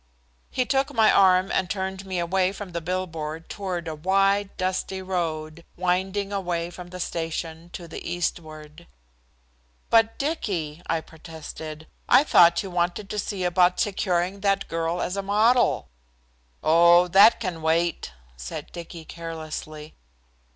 He took my arm and turned me away from the billboard toward a wide, dusty road winding away from the station to the eastward. "But, Dicky," I protested. "I thought you wanted to see about securing that girl as a model." "Oh, that can wait," said Dicky carelessly.